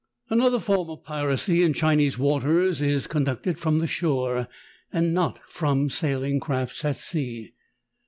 Another form of piracy in Chinese waters is con ducted from the shore and not from sailing crafts at sea.